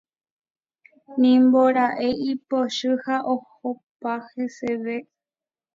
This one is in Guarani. Nimbora'e ipochy ha ohopa heseve.